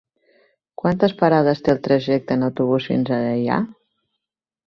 Quantes parades té el trajecte en autobús fins a Deià?